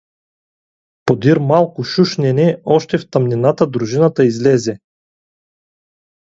Подир малко шушнене още в тъмнината дружината излезе.